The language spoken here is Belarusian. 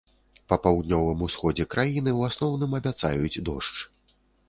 Па паўднёвым усходзе краіны ў асноўным абяцаюць дождж.